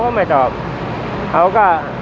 สวัสดีครับ